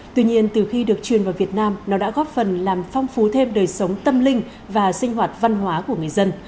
tuy nhiên từ khi được truyền vào việt nam nó đã góp phần làm phong phú thêm đời sống tâm linh và sinh hoạt văn hóa của người dân